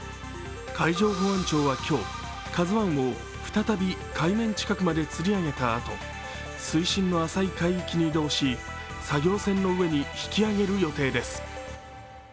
海上保安庁は今日、「ＫＡＺＵⅠ」を再び海面近くまでつり上げたあと、水深の浅い海域に移動し作業船の上に引き揚げる予定です。